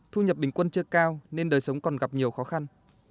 thu nhập bình quân chưa cao nên đời sống còn gặp nhiều khó khăn